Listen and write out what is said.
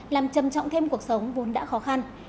làm trầm trọng thêm cuộc sống vốn đã khó khăn